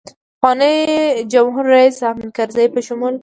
پخواني جمهورریس حامدکرزي په شمول.